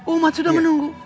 umat sudah menunggu